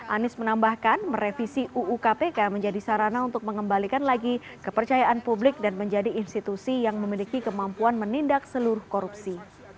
anies menambahkan merevisi uu kpk menjadi sarana untuk mengembalikan lagi kepercayaan publik dan menjadi institusi yang memiliki kemampuan menindak seluruh korupsi